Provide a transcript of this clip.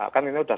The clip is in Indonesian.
kan ini untuk